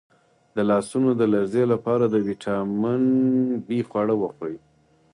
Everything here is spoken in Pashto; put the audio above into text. د لاسونو د لرزې لپاره د ویټامین بي خواړه وخورئ